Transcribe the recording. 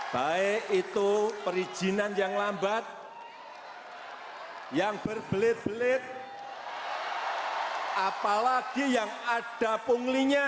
baik itu perizinan yang lambat yang berbelit belit apalagi yang ada punglinya